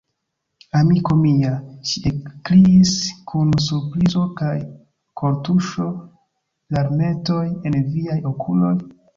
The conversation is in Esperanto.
amiko mia, ŝi ekkriis kun surprizo kaj kortuŝo, larmetoj en viaj okuloj?